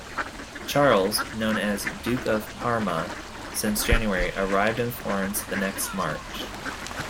Charles, known as Duke of Parma since January, arrived in Florence the next March.